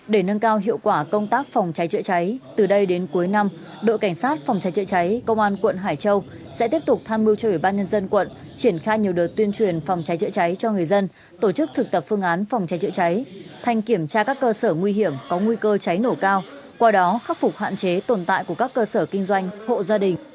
để nâng cao hiệu quả công tác phòng cháy chữa cháy từ đây đến cuối năm đội cảnh sát phòng cháy chữa cháy công an quận hải châu sẽ tiếp tục tham mưu cho ủy ban nhân dân quận triển khai nhiều đợt tuyên truyền phòng cháy chữa cháy cho người dân tổ chức thực tập phương án phòng cháy chữa cháy thành kiểm tra các cơ sở nguy hiểm có nguy cơ cháy nổ cao qua đó khắc phục hạn chế tồn tại của các cơ sở kinh doanh hộ gia đình